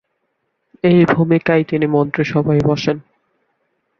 এই ভূমিকায় তিনি মন্ত্রিসভায় বসেন।